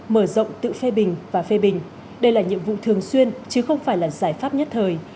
mở rộng tự phê bình và phê bình đây là nhiệm vụ thường xuyên chứ không phải là giải pháp nhất thời